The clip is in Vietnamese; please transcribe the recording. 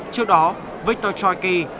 trước đó victor czajki